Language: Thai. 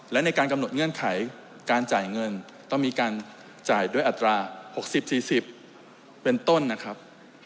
และในการกำหนดเงื่อนไขการจ่ายเงินต้องมีการจ่ายด้วยอัตรา๖๐๔๐เป็นต้นนะครับ